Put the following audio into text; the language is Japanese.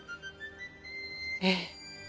ええ。